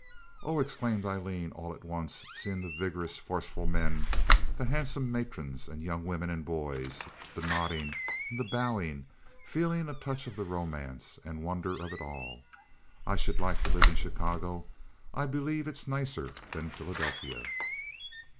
"Oh!" exclaimed Aileen, all at once, seeing the vigorous, forceful men, the handsome matrons, and young women and boys, the nodding and the bowing, feeling a touch of the romance and wonder of it all. "I should like to live in Chicago. I believe it's nicer than Philadelphia."